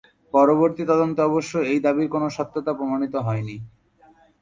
পরবর্তী তদন্তে অবশ্য এই দাবির কোন সত্যতা প্রমাণিত হয়নি।